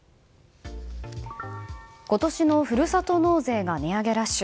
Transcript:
今年のふるさと納税が値上げラッシュ。